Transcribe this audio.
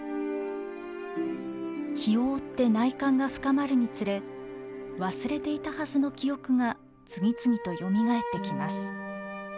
日を追って内観が深まるにつれ忘れていたはずの記憶が次々とよみがえってきます。